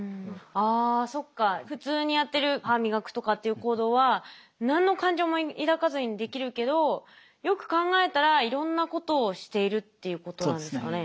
あそっか普通にやってる歯磨くとかっていう行動は何の感情も抱かずにできるけどよく考えたらいろんなことをしているっていうことなんですかね。